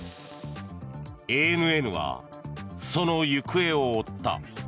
ＡＮＮはその行方を追った。